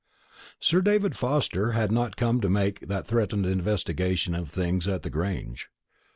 Sir David Forster had not come to make that threatened investigation of things at the Grange.